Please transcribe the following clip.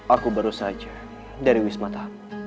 aku baru saja dari wismata